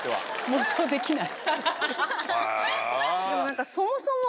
妄想できない？